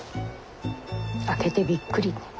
開けてびっくり。